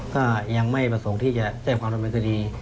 ก็ยังไม่ประสงค์ที่จะแจ้งความดำเนินคดี